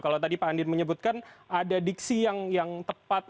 kalau tadi pak andir menyebutkan ada diksi yang tepat